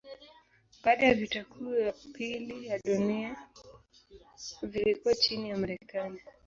Baada ya vita kuu ya pili ya dunia vilikuwa chini ya Marekani.